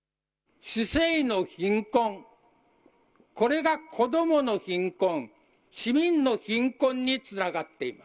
市政の貧困、これが子どもの貧困、市民の貧困につながっている。